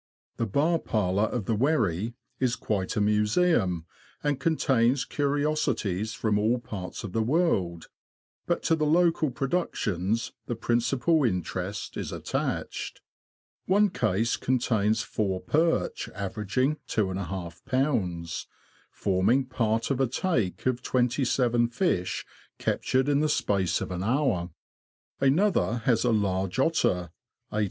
The bar parlour of the Wherry is quite a museum, and contains curiosities from all parts of the world ; but to the local productions the principal interest is attached. One case contains four perch, averaging 2jlb., forming part of a take of twenty 34 THE LAND OF THE BROADS. seven fish captured in the space of an hour. Another has a large otter (i81b.